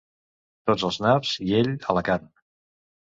Tots als naps i ell a la carn.